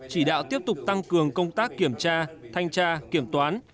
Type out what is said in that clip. chỉ đạo tiếp tục tăng cường công tác kiểm tra thanh tra kiểm toán